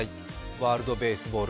ワールドベースボール